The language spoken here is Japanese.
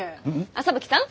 麻吹さん。